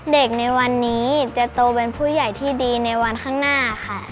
ในวันนี้จะโตเป็นผู้ใหญ่ที่ดีในวันข้างหน้าค่ะ